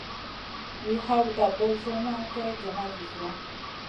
Wi hawta ɓozioŋa kay joona viziya.